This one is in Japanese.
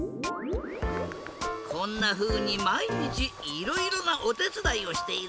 こんなふうにまいにちいろいろなおてつだいをしているんだ。